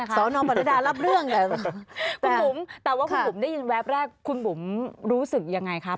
คุณบุ๋มแต่คุณบุ๋มได้ยินแวบแรกคุณบุ๋มรู้สึกยังไงนะครับ